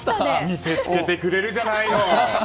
見せつけてくれるじゃないの。